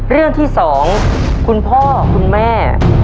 เรื่องที่๒คุณพ่อคุณแม่